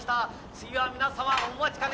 「次は皆様お待ちかね。